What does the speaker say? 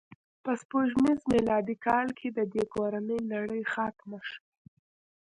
په سپوږمیز میلادي کال کې د دې کورنۍ لړۍ ختمه شوه.